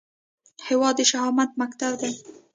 هیواد د شهامت مکتب دی